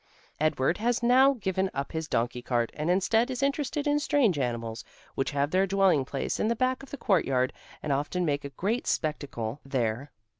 Edward has now given up his donkey cart and instead is interested in strange animals, which have their dwelling place in the back of the courtyard and often make a great spectacle there.